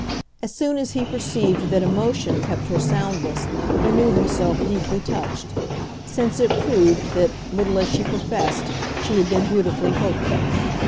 As soon as he perceived that emotion kept her soundless he knew himself deeply touched, since it proved that, little as she professed, she had been beautifully hoping.